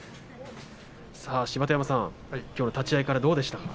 芝田山さん、立ち合いからどうでしたか。